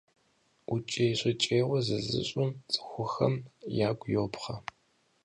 ӀукӀей-щӀыкӀейуэ зызыщӀым цӀыхухэм ягу йобгъэ.